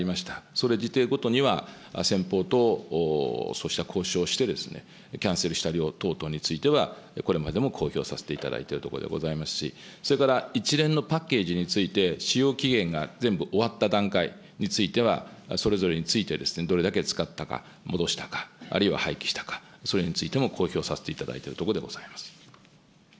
それについては、先方とそうした交渉をして、キャンセルした量等についてはこれまでも公表させていただいているところでございますし、それから一連のパッケージについて、使用期限が全部終わった段階についてはそれぞれについて、どれだけ使ったか、戻したか、あるいは廃棄したか、それについても公表させていただいているところでございます。